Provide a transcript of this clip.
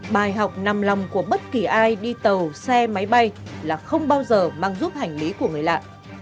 bài học nằm lòng của bất kỳ ai đi tàu xe máy bay là không bao giờ mang giúp hành lý của người lạ